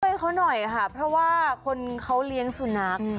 ช่วยเขาหน่อยค่ะเพราะว่าคนเขาเลี้ยงสุนัข